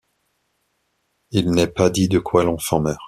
Il n'est pas dit de quoi l'enfant meurt.